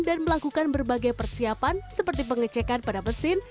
dan melakukan berbagai persiapan seperti pengecekan pada mesin